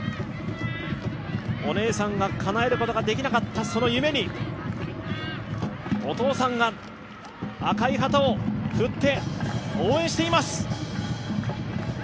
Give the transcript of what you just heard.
お姉さんはかなえることができなかったその夢にお父さんが赤い旗を振って応援しています。